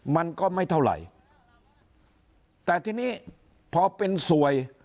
มันก็ไม่เท่าไหร่แต่ทีนี้พอเป็นสวย